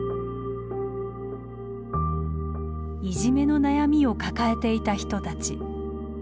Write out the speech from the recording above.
いじめの悩みを抱えていた人たち。